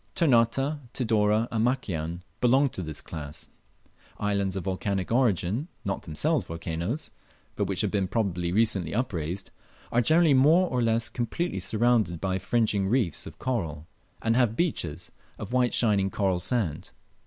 Ternate, Tidore, and Makian belong to this class. Islands of volcanic origin, not themselves volcanoes, but which have been probably recently upraised, are generally more or less completely surrounded by fringing reefs of coral, and have beaches of shining white coral sand.